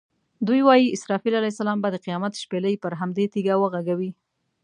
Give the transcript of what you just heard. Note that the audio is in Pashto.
دوی وایي اسرافیل علیه السلام به د قیامت شپېلۍ پر همدې تیږه وغږوي.